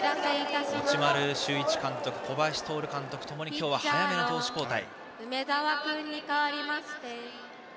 持丸修一監督、小林徹監督共に今日は早めの投手交代。